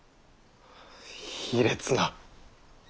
卑劣な！